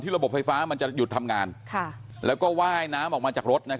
ระบบไฟฟ้ามันจะหยุดทำงานแล้วก็ว่ายน้ำออกมาจากรถ